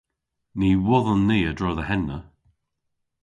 Ny wodhon ni a-dro dhe henna.